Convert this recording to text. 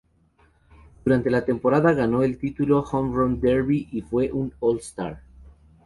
Durante la temporada ganó un título Home Run Derby y fue un All-Star.